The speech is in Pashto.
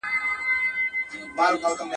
ډیک په هر ځنګله کي ښاخ پر ښاخ کړېږي.